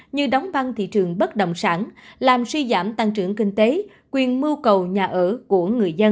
như đóng băng thị trường bất động sản làm suy giảm tăng trưởng kinh tế quyền mưu cầu nhà ở của người dân